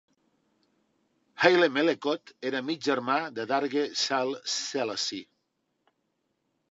Haile Melekot era mig germà de Darge Sahle Selassie.